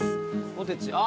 ポテチあ